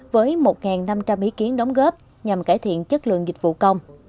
với một năm trăm linh ý kiến đóng góp nhằm cải thiện chất lượng dịch vụ công